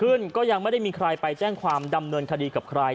ขึ้นก็ยังไม่ได้มีใครไปแจ้งความดำเนินคดีกับใคร